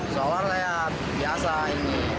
solar layak biasa ini